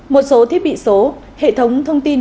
một số thiết bị số hệ thống thông tin